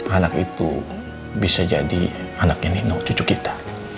anak itu bisa jadi anaknya cucu kita